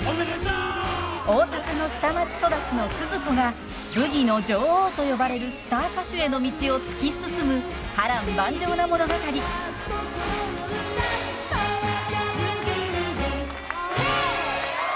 大阪の下町育ちのスズ子がブギの女王と呼ばれるスター歌手への道を突き進む波乱万丈な物語。へいっ！